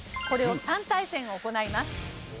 これを３対戦行います。